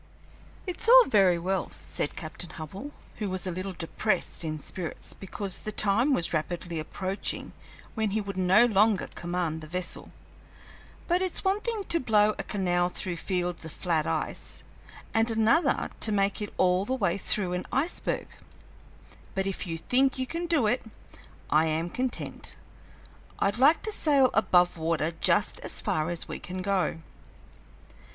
"It's all very well," said Captain Hubbell, who was a little depressed in spirits because the time was rapidly approaching when he would no longer command the vessel, "but it's one thing to blow a canal through fields of flat ice, and another to make it all the way through an iceberg; but if you think you can do it, I am content. I'd like to sail above water just as far as we can go."